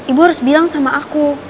ibu harus bilang sama aku